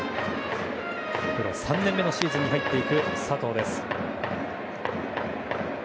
プロ３年目のシーズンに入る佐藤です。